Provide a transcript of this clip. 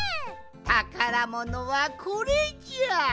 たからものはこれじゃ。